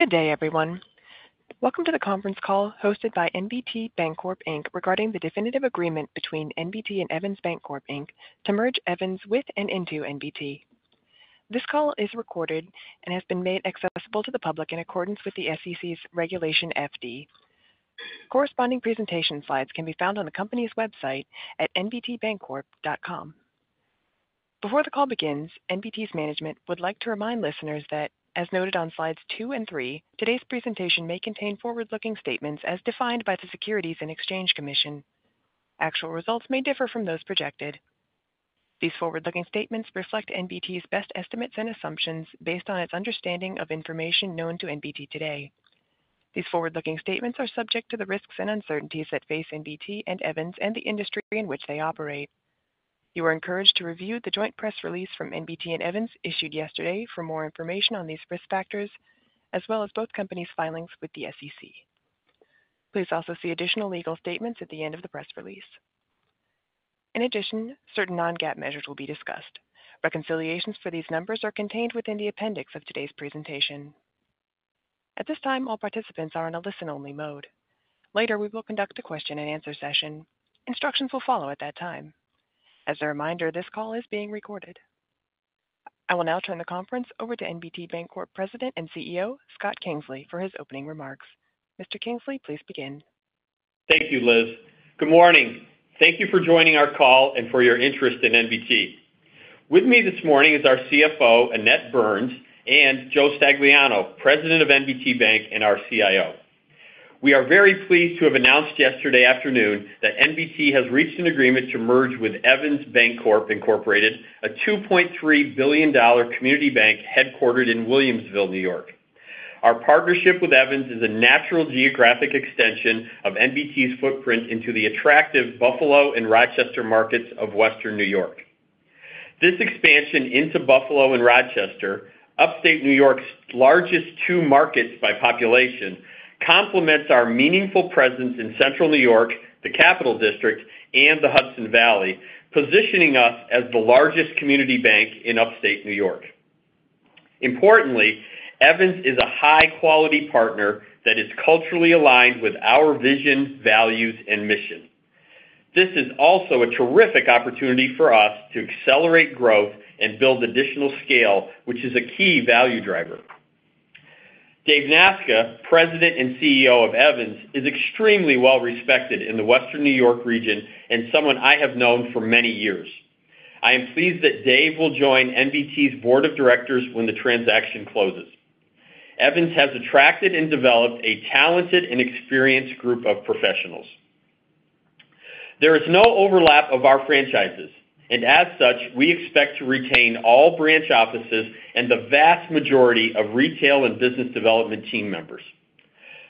Good day, everyone. Welcome to the Conference Call hosted by NBT Bancorp Inc., regarding the definitive agreement between NBT and Evans Bancorp Inc. to merge Evans with and into NBT. This call is recorded and has been made accessible to the public in accordance with the SEC's Regulation FD. Corresponding presentation slides can be found on the company's website at nbtbancorp.com. Before the call begins, NBT's management would like to remind listeners that, as noted on slides two and three, today's presentation may contain forward-looking statements as defined by the Securities and Exchange Commission. Actual results may differ from those projected. These forward-looking statements reflect NBT's best estimates and assumptions based on its understanding of information known to NBT today. These forward-looking statements are subject to the risks and uncertainties that face NBT and Evans and the industry in which they operate. You are encouraged to review the joint press release from NBT and Evans, issued yesterday, for more information on these risk factors, as well as both companies' filings with the SEC. Please also see additional legal statements at the end of the press release. In addition, certain non-GAAP measures will be discussed. Reconciliations for these numbers are contained within the appendix of today's presentation. At this time, all participants are in a listen-only mode. Later, we will conduct a question-and-answer session. Instructions will follow at that time. As a reminder, this call is being recorded. I will now turn the conference over to NBT Bancorp President and CEO, Scott Kingsley, for his opening remarks. Mr. Kingsley, please begin. Thank you, Liz. Good morning. Thank you for joining our call and for your interest in NBT. With me this morning is our CFO, Annette Burns, and Joe Stagliano, President of NBT Bank and our CIO. We are very pleased to have announced yesterday afternoon that NBT has reached an agreement to merge with Evans Bancorp Incorporated, a $2.3 billion community bank headquartered in Williamsville, New York. Our partnership with Evans is a natural geographic extension of NBT's footprint into the attractive Buffalo and Rochester markets of Western New York. This expansion into Buffalo and Rochester, Upstate New York's largest two markets by population, complements our meaningful presence in Central New York, the Capital District, and the Hudson Valley, positioning us as the largest community bank in Upstate New York. Importantly, Evans is a high-quality partner that is culturally aligned with our vision, values, and mission. This is also a terrific opportunity for us to accelerate growth and build additional scale, which is a key value driver. Dave Nasca, President and CEO of Evans, is extremely well-respected in the Western New York region and someone I have known for many years. I am pleased that Dave will join NBT's Board of Directors when the transaction closes. Evans has attracted and developed a talented and experienced group of professionals. There is no overlap of our franchises, and as such, we expect to retain all branch offices and the vast majority of retail and business development team members.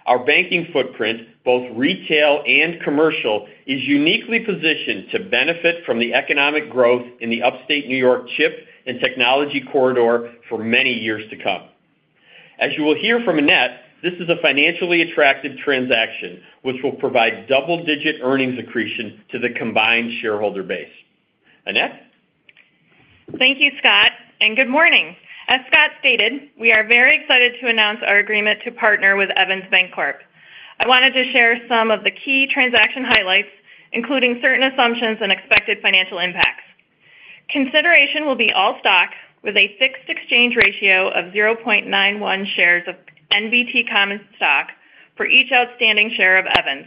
Our banking footprint, both retail and commercial, is uniquely positioned to benefit from the economic growth in the Upstate New York chip and technology corridor for many years to come. As you will hear from Annette, this is a financially attractive transaction, which will provide double-digit earnings accretion to the combined shareholder base. Annette? Thank you, Scott, and good morning. As Scott stated, we are very excited to announce our agreement to partner with Evans Bancorp. I wanted to share some of the key transaction highlights, including certain assumptions and expected financial impacts. Consideration will be all stock with a fixed exchange ratio of 0.91 shares of NBT common stock for each outstanding share of Evans.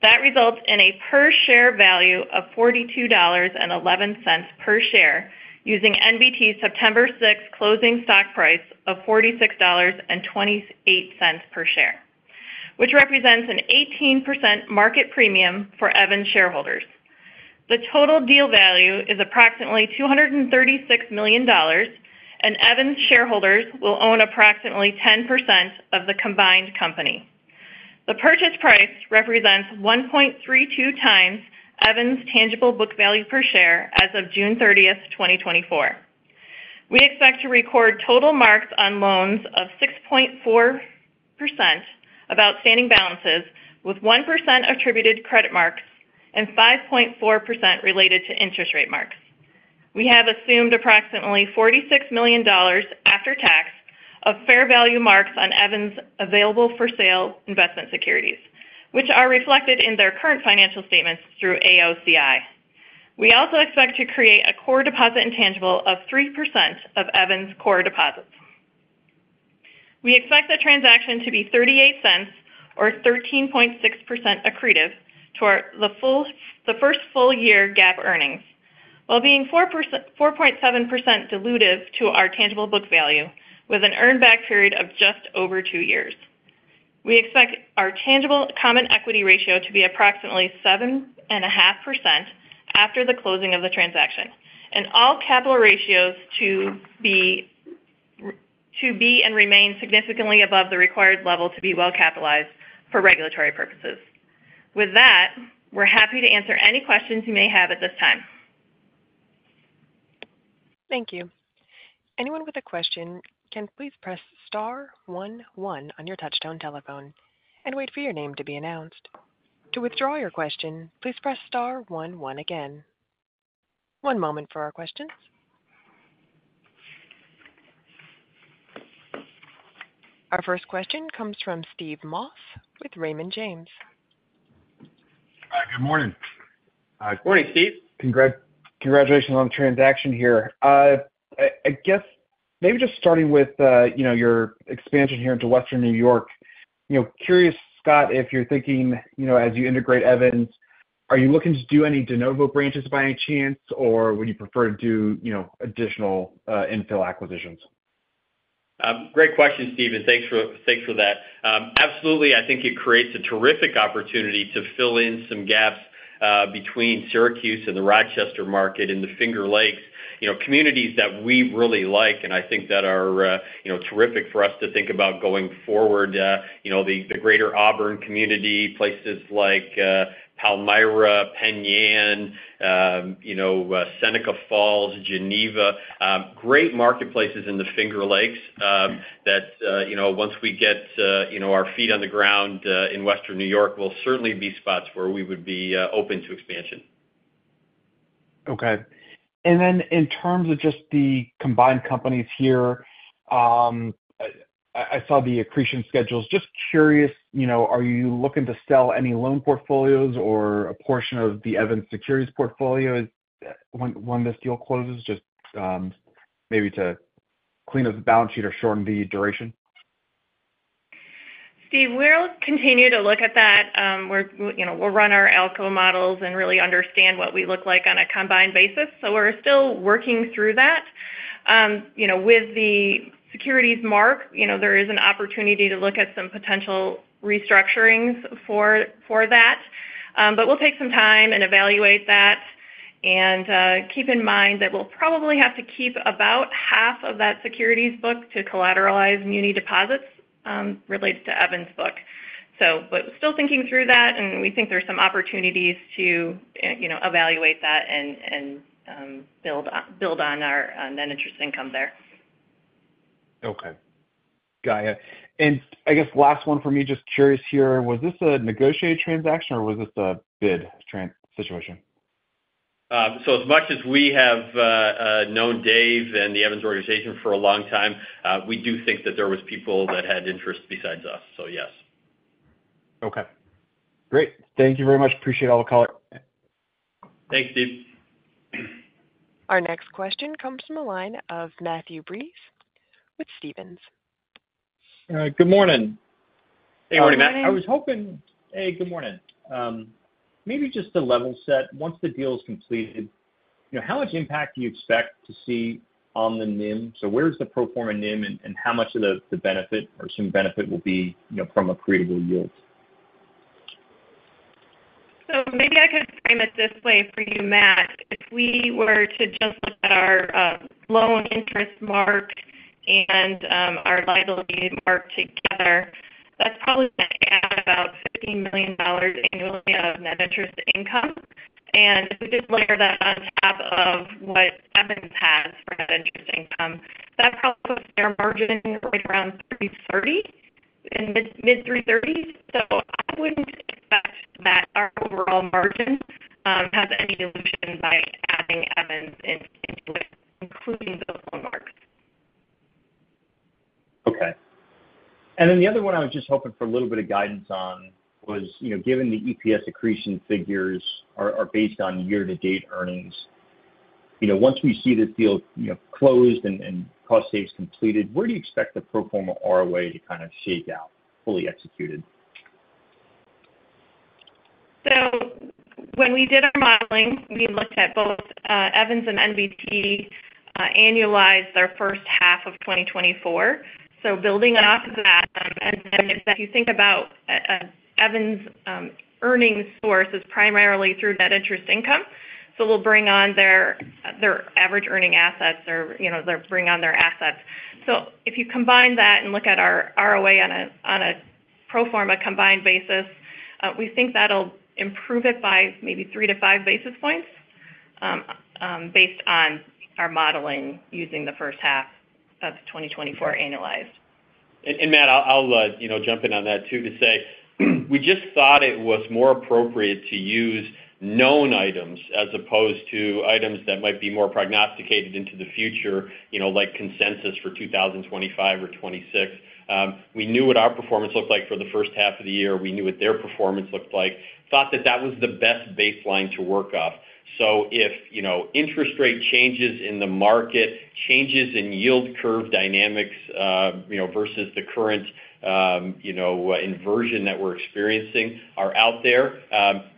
That results in a per-share value of $42.11 per share, using NBT's September 6th closing stock price of $46.28 per share, which represents an 18% market premium for Evans shareholders. The total deal value is approximately $236 million, and Evans shareholders will own approximately 10% of the combined company. The purchase price represents 1.32 times Evans' tangible book value per share as of June 30th, 2024. We expect to record total marks on loans of 6.4% of outstanding balances, with 1% attributed to credit marks and 5.4% related to interest rate marks. We have assumed approximately $46 million after tax of fair value marks on Evans' available-for-sale investment securities, which are reflected in their current financial statements through AOCI. We also expect to create a core deposit intangible of 3% of Evans' core deposits. We expect the transaction to be $0.38 or 13.6% accretive to our the first full year GAAP earnings, while being 4.7% dilutive to our tangible book value, with an earn back period of just over two years. We expect our tangible common equity ratio to be approximately 7.5% after the closing of the transaction, and all capital ratios to be and remain significantly above the required level to be well capitalized for regulatory purposes. With that, we're happy to answer any questions you may have at this time. Thank you. Anyone with a question can please press star, one, one on your touch-tone telephone and wait for your name to be announced. To withdraw your question, please press star, one, one again. One moment for our questions. Our first question comes from Steve Moss with Raymond James. Good morning. Good morning, Steve. Congratulations on the transaction here. I guess maybe just starting with, you know, your expansion here into Western New York, you know, curious, Scott, if you're thinking, you know, as you integrate Evans, are you looking to do any de novo branches by any chance, or would you prefer to do, you know, additional infill acquisitions? Great question, Steve, and thanks for that. Absolutely, I think it creates a terrific opportunity to fill in some gaps between Syracuse and the Rochester market and the Finger Lakes. You know, communities that we really like, and I think that are you know, terrific for us to think about going forward. You know, the Greater Auburn community, places like Palmyra, Penn Yan, you know, Seneca Falls, Geneva. Great marketplaces in the Finger Lakes that you know, once we get you know, our feet on the ground in Western New York, will certainly be spots where we would be open to expansion. Okay. And then in terms of just the combined companies here, I saw the accretion schedules. Just curious, you know, are you looking to sell any loan portfolios or a portion of the Evans securities portfolio when this deal closes, just maybe to clean up the balance sheet or shorten the duration? Steve, we'll continue to look at that. We're, you know, we'll run our ALCO models and really understand what we look like on a combined basis. So we're still working through that. You know, with the securities mark, you know, there is an opportunity to look at some potential restructurings for that. But we'll take some time and evaluate that. And keep in mind that we'll probably have to keep about half of that securities book to collateralize muni deposits, related to Evans book. So but still thinking through that, and we think there are some opportunities to, you know, evaluate that and build on our net interest income there. Okay. Got it. And I guess last one for me, just curious here, was this a negotiated transaction, or was this a bid tran- situation? So, as much as we have known Dave and the Evans organization for a long time, we do think that there was people that had interest besides us, so yes. Okay. Great. Thank you very much. Appreciate all the call- Thanks, Steve. Our next question comes from the line of Matthew Breese with Stephens. Good morning. Hey, good morning, Matt. I was hoping... Hey, good morning. Maybe just to level set, once the deal is completed, you know, how much impact do you expect to see on the NIM? So where's the pro forma NIM, and how much of the benefit or some benefit will be, you know, from accretable yields? So maybe I could frame it this way for you, Matt. If we were to just look at our loan interest mark and our liability mark together, that's probably going to add about $50 million annually of net interest income. And if we just layer that on top of what Evans has for net interest income, that's probably their margin right around 3.30, in mid-, mid-three thirties. So I wouldn't expect that our overall margin has any dilution by adding Evans into it, including those loan marks. Okay. And then the other one I was just hoping for a little bit of guidance on was, you know, given the EPS accretion figures are, are based on year-to-date earnings, you know, once we see this deal, you know, closed and, and cost saves completed, where do you expect the pro forma ROA to kind of shake out, fully executed? So when we did our modeling, we looked at both Evans and NBT, annualized their first half of 2024, so building off of that. And then if you think about Evans' earnings source is primarily through net interest income, so we'll bring on their average earning assets or, you know, they'll bring on their assets. So if you combine that and look at our ROA on a pro forma combined basis, we think that'll improve it by maybe three to five basis points, based on our modeling using the first half of 2024 annualized. Matt, I'll you know, jump in on that too, to say, we just thought it was more appropriate to use known items as opposed to items that might be more prognosticated into the future, you know, like consensus for 2025 or 2026. We knew what our performance looked like for the first half of the year. We knew what their performance looked like. Thought that that was the best baseline to work off. So if, you know, interest rate changes in the market, changes in yield curve dynamics, you know, versus the current, you know, inversion that we're experiencing are out there,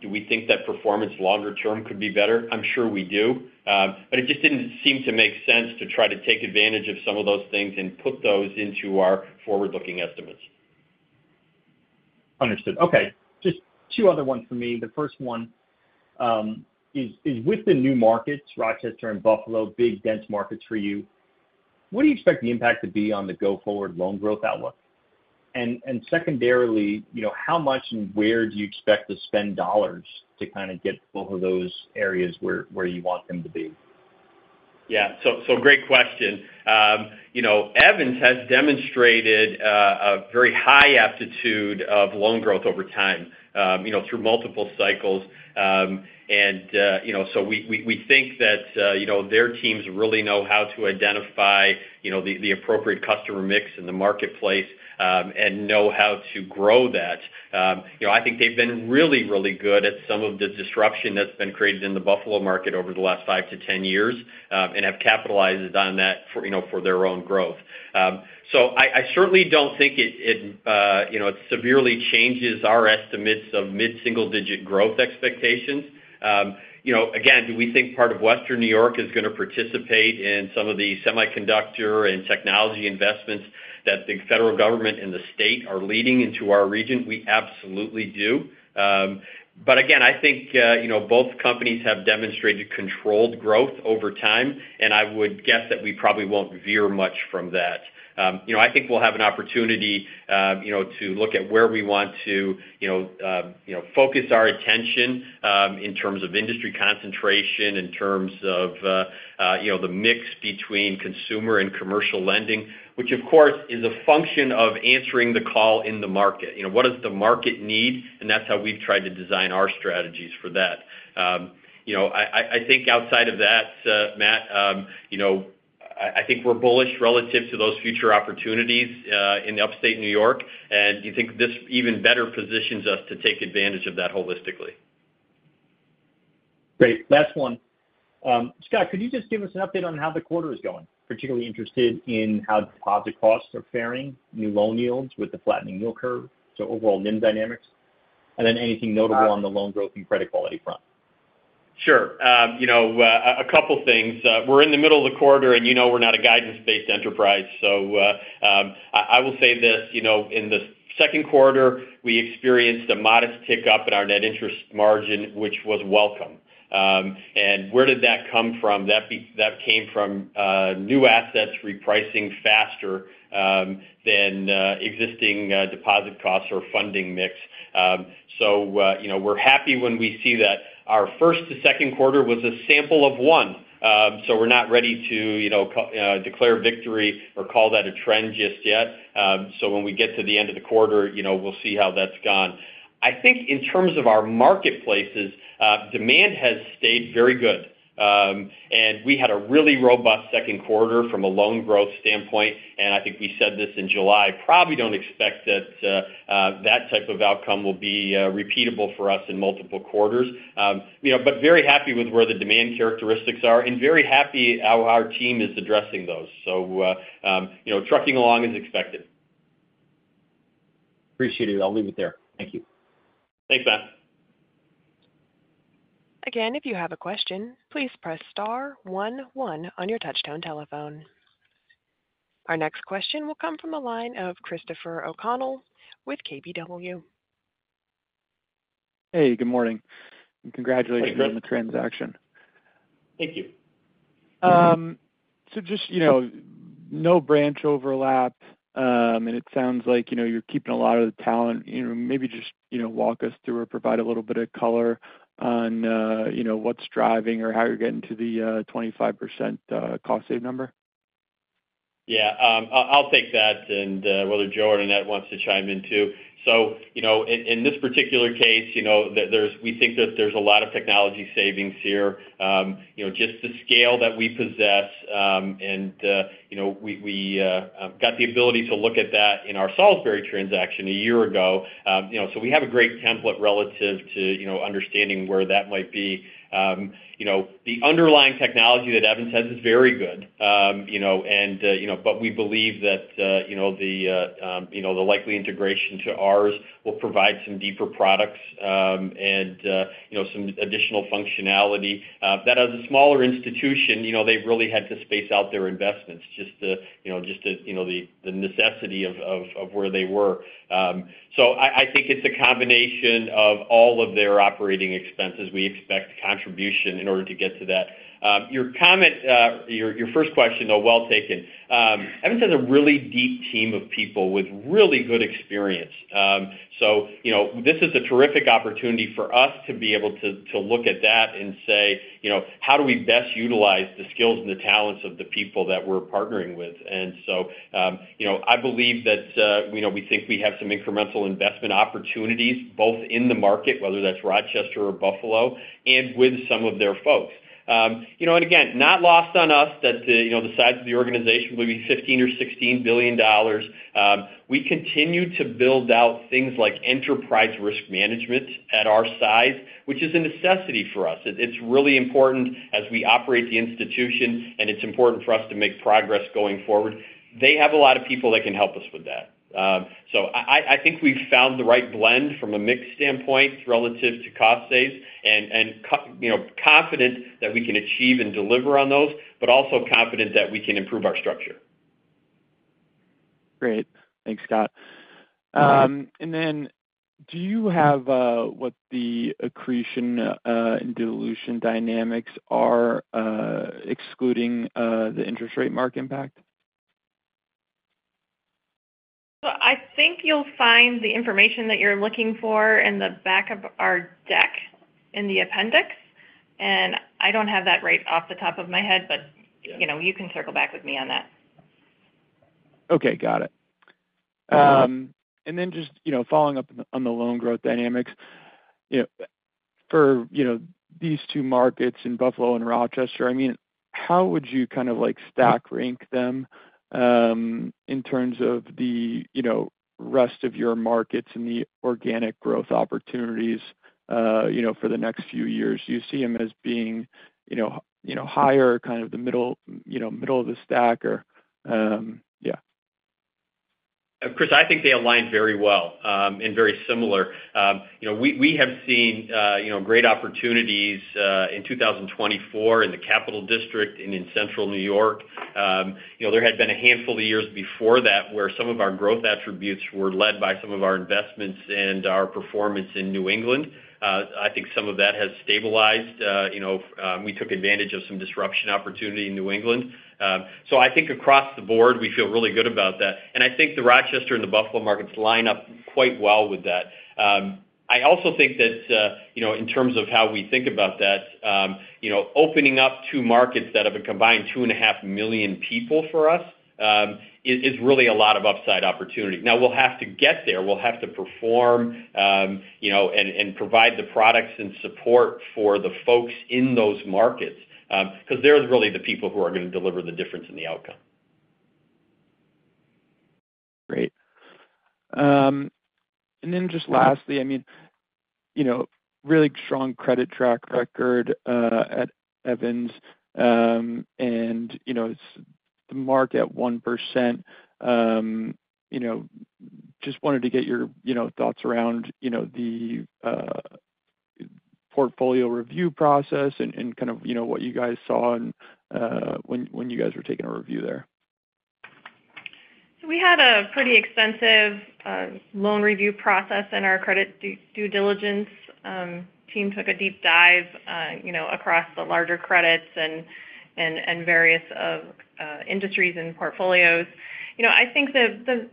do we think that performance longer term could be better? I'm sure we do. But it just didn't seem to make sense to try to take advantage of some of those things and put those into our forward-looking estimates. Understood. Okay, just two other ones for me. The first one is with the new markets, Rochester and Buffalo, big, dense markets for you, what do you expect the impact to be on the go-forward loan growth outlook? And secondarily, you know, how much and where do you expect to spend dollars to kind of get both of those areas where you want them to be?... Yeah, so great question. You know, Evans has demonstrated a very high aptitude of loan growth over time, you know, through multiple cycles, and you know, so we think that you know, their teams really know how to identify the appropriate customer mix in the marketplace, and know how to grow that. You know, I think they've been really, really good at some of the disruption that's been created in the Buffalo market over the last five to 10 years, and have capitalized on that for you know, for their own growth. You know, so I certainly don't think it severely changes our estimates of mid-single digit growth expectations. You know, again, do we think part of Western New York is gonna participate in some of the semiconductor and technology investments that the federal government and the state are leading into our region? We absolutely do, but again, I think, you know, both companies have demonstrated controlled growth over time, and I would guess that we probably won't veer much from that. You know, I think we'll have an opportunity, you know, to look at where we want to, you know, you know, focus our attention, in terms of industry concentration, in terms of, you know, the mix between consumer and commercial lending, which, of course, is a function of answering the call in the market. You know, what does the market need, and that's how we've tried to design our strategies for that. You know, I think outside of that, Matt, you know, I think we're bullish relative to those future opportunities in Upstate New York, and you think this even better positions us to take advantage of that holistically. Great. Last one. Scott, could you just give us an update on how the quarter is going? Particularly interested in how deposit costs are faring, new loan yields with the flattening yield curve, so overall NIM dynamics, and then anything notable on the loan growth and credit quality front. Sure. You know, a couple things. We're in the middle of the quarter, and you know we're not a guidance-based enterprise, so, I will say this, you know, in the second quarter, we experienced a modest tick-up in our net interest margin, which was welcome. And where did that come from? That came from new assets repricing faster than existing deposit costs or funding mix. So, you know, we're happy when we see that. Our first to second quarter was a sample of one, so we're not ready to, you know, declare victory or call that a trend just yet. So when we get to the end of the quarter, you know, we'll see how that's gone. I think in terms of our marketplaces, demand has stayed very good. And we had a really robust second quarter from a loan growth standpoint, and I think we said this in July, probably don't expect that type of outcome will be repeatable for us in multiple quarters. You know, but very happy with where the demand characteristics are and very happy how our team is addressing those. So, you know, trucking along as expected. Appreciate it. I'll leave it there. Thank you. Thanks, Matt. Again, if you have a question, please press star one, one on your touchtone telephone. Our next question will come from the line of Christopher O'Connell with KBW. Hey, good morning, and congratulations- Hey, Chris on the transaction. Thank you. So just, you know, no branch overlap, and it sounds like, you know, you're keeping a lot of the talent. You know, maybe just, you know, walk us through or provide a little bit of color on, you know, what's driving or how you're getting to the 25% cost save number? Yeah. I'll take that, and whether Joe or Annette wants to chime in, too. So, you know, in this particular case, you know, there's a lot of technology savings here. We think that there's a lot of technology savings here. You know, just the scale that we possess, and you know, we got the ability to look at that in our Salisbury transaction a year ago. You know, so we have a great template relative to, you know, understanding where that might be. You know, the underlying technology that Evans has is very good. You know, and you know, but we believe that you know, the likely integration to ours will provide some deeper products, and you know, some additional functionality. That, as a smaller institution, you know, they've really had to space out their investments just to you know the necessity of where they were. So I think it's a combination of all of their operating expenses. We expect contribution in order to get to that. Your comment, your first question, though, well taken. Evans has a really deep team of people with really good experience. So you know, this is a terrific opportunity for us to be able to, to look at that and say, you know, "How do we best utilize the skills and the talents of the people that we're partnering with?" And so, you know, I believe that, you know, we think we have some incremental investment opportunities, both in the market, whether that's Rochester or Buffalo, and with some of their folks. You know, and again, not lost on us that, you know, the size of the organization will be $15 billion or $16 billion. We continue to build out things like enterprise risk management at our size, which is a necessity for us. It's really important as we operate the institution, and it's important for us to make progress going forward. They have a lot of people that can help us with that. I think we've found the right blend from a mix standpoint relative to cost savings and you know, confident that we can achieve and deliver on those, but also confident that we can improve our structure. Great. Thanks, Scott. And then do you have what the accretion and dilution dynamics are, excluding the interest rate mark impact? ... I think you'll find the information that you're looking for in the back of our deck in the appendix, and I don't have that right off the top of my head, but, you know, you can circle back with me on that. Okay, got it. And then just, you know, following up on the loan growth dynamics, you know, for these two markets in Buffalo and Rochester, I mean, how would you kind of like stack rank them in terms of the rest of your markets and the organic growth opportunities, you know, for the next few years? Do you see them as being, you know, higher, kind of the middle, middle of the stack or yeah. Chris, I think they align very well, and very similar. You know, we have seen, you know, great opportunities, in 2024 in the Capital District and in Central New York. You know, there had been a handful of years before that where some of our growth attributes were led by some of our investments and our performance in New England. I think some of that has stabilized. You know, we took advantage of some disruption opportunity in New England. So I think across the board, we feel really good about that. And I think the Rochester and the Buffalo markets line up quite well with that. I also think that, you know, in terms of how we think about that, you know, opening up two markets that have a combined two and a half million people for us, is really a lot of upside opportunity. Now, we'll have to get there. We'll have to perform, you know, and provide the products and support for the folks in those markets, because they're really the people who are gonna deliver the difference in the outcome. Great, and then just lastly, I mean, you know, really strong credit track record at Evans, and you know, it's the mark at 1%. You know, just wanted to get your, you know, thoughts around, you know, the portfolio review process and kind of, you know, what you guys saw and when you guys were taking a review there. So we had a pretty extensive loan review process, and our credit due diligence team took a deep dive, you know, across the larger credits and various of industries and portfolios. You know, I think the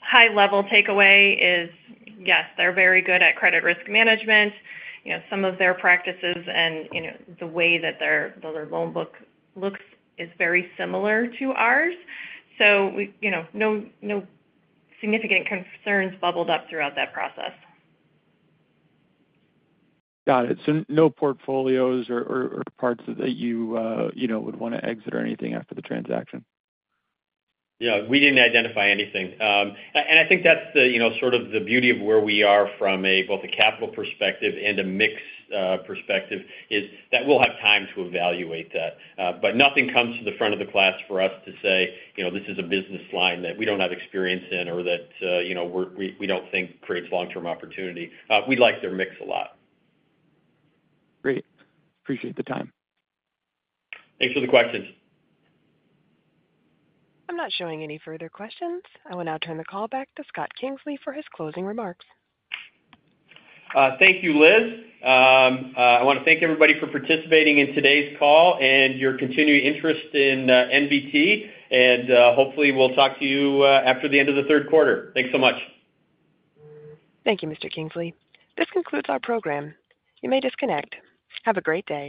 high level takeaway is, yes, they're very good at credit risk management. You know, some of their practices and, you know, the way that their loan book looks is very similar to ours, so we, you know, no significant concerns bubbled up throughout that process. Got it. So no portfolios or parts that you, you know, would wanna exit or anything after the transaction? Yeah, we didn't identify anything. And I think that's the, you know, sort of the beauty of where we are from a, both a capital perspective and a mix perspective, is that we'll have time to evaluate that. But nothing comes to the front of the class for us to say, you know, this is a business line that we don't have experience in or that, you know, we don't think creates long-term opportunity. We like their mix a lot. Great. Appreciate the time. Thanks for the questions. I'm not showing any further questions. I will now turn the call back to Scott Kingsley for his closing remarks. Thank you, Liz. I wanna thank everybody for participating in today's call and your continuing interest in NBT. Hopefully we'll talk to you after the end of the third quarter. Thanks so much. Thank you, Mr. Kingsley. This concludes our program. You may disconnect. Have a great day.